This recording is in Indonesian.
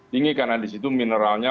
tinggi karena di situ mineralnya